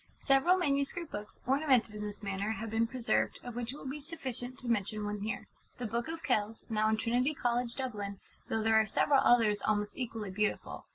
Several manuscript books, ornamented in this manner, have been preserved, of which it will be sufficient to mention one here The Book of Kells, now in Trinity College, Dublin, though there are several others almost equally beautiful.